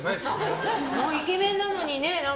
イケメンなのにね